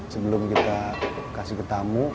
sebelum kita kasih ke tamu